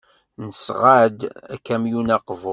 Nesɣa-d akamyun aqbur.